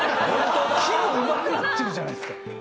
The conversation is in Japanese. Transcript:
木もうまくなってるじゃないですか。